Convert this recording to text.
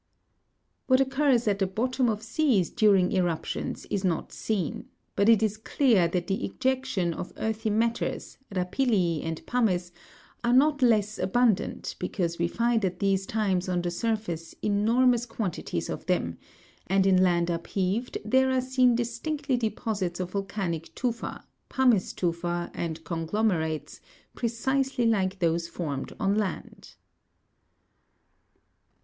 What occurs at the bottom of seas during eruptions is not seen ; but it is clear that the ejection of earthy matters, rapilli, and pumice, are not less abundant, because we find at these times on the surface enormous quanti ties of them, and in land upheaved, there are seen distinctly deposits of volcanic tufa, pumice tufa, and conglomerates, precisely like those formed on land.